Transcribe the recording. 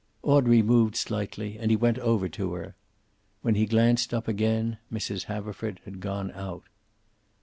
Audrey moved slightly, and he went over to her. When he glanced up again Mrs. Haverford had gone out.